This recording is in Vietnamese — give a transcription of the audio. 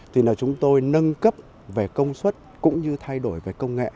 thì là chúng tôi nâng cấp về công suất cũng như thay đổi về công nghệ